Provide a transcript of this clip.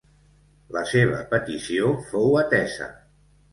La seva petició fou atesa.